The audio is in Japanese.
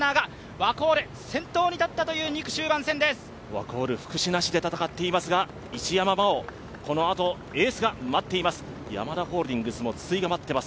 ワコール、福士なしで戦っていますが、一山麻緒、このあとエースが待っています。